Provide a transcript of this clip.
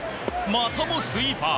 またもスイーパー。